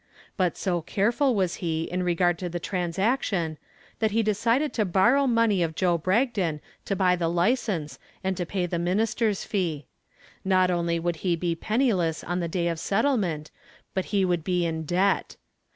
But so careful was he in regard to the transaction that he decided to borrow money of Joe Bragdon to buy the license and to pay the minister's fee. Not only would he be penniless on the day of settlement, but he would be in debt.